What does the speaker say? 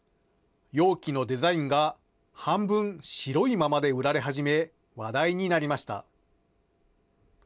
容器のデザインが半分、白いままで売られはじめ話題になりました。